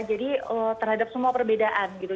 jadi terhadap semua perbedaan gitu